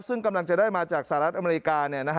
ซึ่งกำลังจะได้มาจากสหรัฐอเมริกา